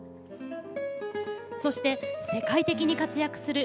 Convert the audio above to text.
そして、世界的に活躍する